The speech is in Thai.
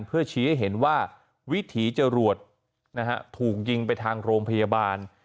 เพื่อชี้ให้เห็นว่าวิถีจรวดนะฮะถูกยิงไปทางโรงพยาบาล